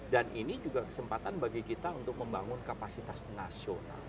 dan ini juga kesempatan bagi kita untuk membangun kapasitas nasional